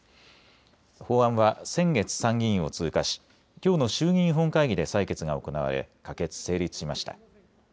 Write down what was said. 法案は先月、参議院を通過し、きょうの衆議院本会議で採決が行われ、可決・成立しました。